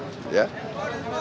saya kira itu